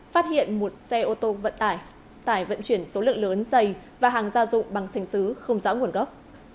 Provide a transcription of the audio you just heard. phát hiện một xe ô tô vận tải tải vận chuyển số lượng lớn dày và hàng gia dụng bằng sành xứ không rõ nguồn gốc